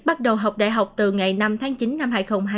bắt đầu học đại học từ ngày năm tháng chín năm hai nghìn hai mươi